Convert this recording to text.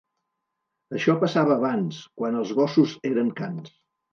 Això passava abans, quan els gossos eren cans.